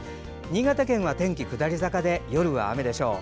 新潟県は天気が下り坂で夜は雨でしょう。